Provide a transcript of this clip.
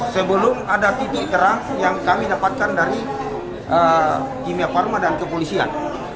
sebelum ada titik terang yang kami dapatkan dari kimia pharma dan kepolisian